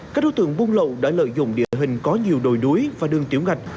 các đối tượng buôn lậu đã lợi dụng địa hình có nhiều đồi đuối và đường tiểu ngạch